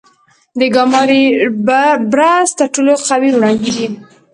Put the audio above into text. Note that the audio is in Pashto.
د ګاما رې برسټ تر ټولو قوي وړانګې دي.